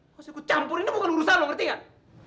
gak usah aku campurin ini bukan urusan lo ngerti nggak